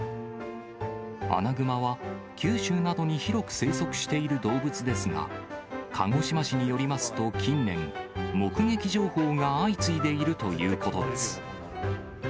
アナグマは九州などに広く生息している動物ですが、鹿児島市によりますと、近年、目撃情報が相次いでいるということです。